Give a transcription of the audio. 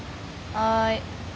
はい。